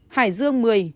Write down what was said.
hải dương một mươi